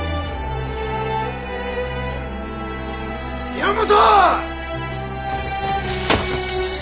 宮本！